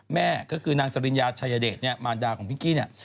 แม่ก็คือนางสริญญาชายเดชเนี่ยมารดาของพิงกี้เนี่ย